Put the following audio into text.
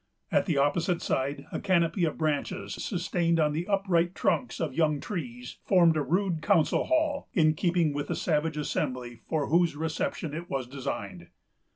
At the opposite side, a canopy of branches, sustained on the upright trunks of young trees, formed a rude council hall, in keeping with the savage assembly for whose reception it was designed.